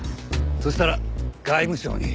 そしたら外務省に。